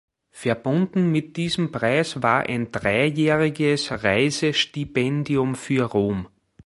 Verbunden mit diesem Preis war ein dreijähriges Reisestipendium für Rom.